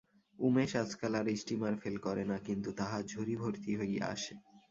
উমেশ আজকাল আর steamer fail করে না, কিন্তু তাহার ঝুড়ি ভর্তি হইয়া আসে।